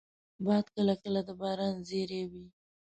باد کله کله د باران زېری وي